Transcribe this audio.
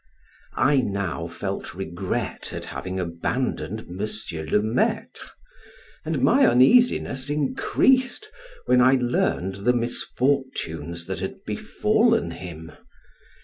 I now felt regret at having abandoned M. le Maitre, and my uneasiness increased when I learned the misfortunes that had befallen him.